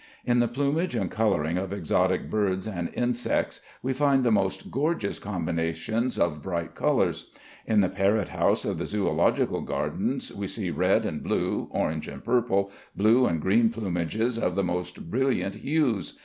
In the plumage and coloring of exotic birds and insects we find the most gorgeous combinations of bright colors. In the parrot house of the Zoölogical Gardens we see red and blue, orange and purple, blue and green plumages of the most brilliant hues.